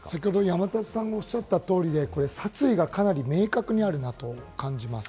山里さんがおっしゃった通り、殺意が明確にあるなと感じます。